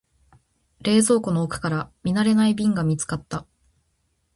冷蔵庫の奥から見慣れない瓶が見つかった。